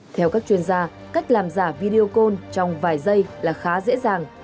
theo các chuyên gia cách làm giả video call trong vài giây là khá dễ dàng